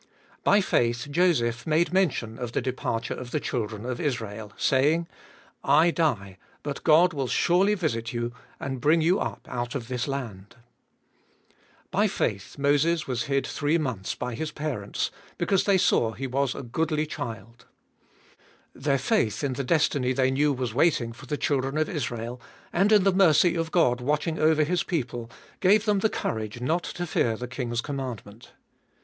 By faith Joseph made mention of the departure of the children of Israel saying, " I die, but God will surely visit you, and bring you up out of this land." By faith Moses was 454 Gbe Tboltest of BH hid three months by his parents, because they saw he was a goodly child. Their faith in the destiny they knew was waiting for the children of Israel, and in the mercy of God watching over his people, gave them the courage not to fear the king's commandment.